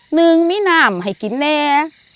หนึ่งมีน้ำให้กินแน่